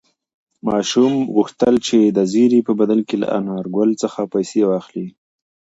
ماشوم غوښتل چې د زېري په بدل کې له انارګل څخه روپۍ واخلي.